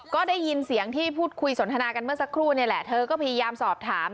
ก็ได้ยินเสียงที่พูดคุยสนทนากันเมื่อสักครู่นี่แหละเธอก็พยายามสอบถาม